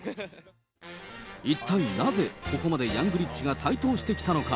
一体なぜ、ここまでヤングリッチが台頭してきたのか。